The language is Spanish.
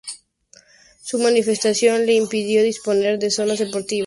Su masificación le impidió disponer de zonas deportivas, docentes y recreativas.